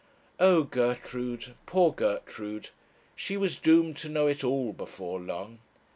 Oh, Gertrude; poor Gertrude! she was doomed to know it all before long.